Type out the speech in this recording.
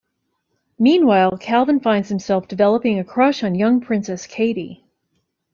Meanwhile, Calvin finds himself developing a crush on young Princess Katey.